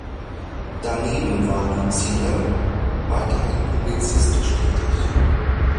Daneben war Lützeler weiterhin publizistisch tätig.